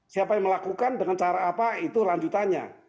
siapa yang melakukan dengan cara apa itu lanjutannya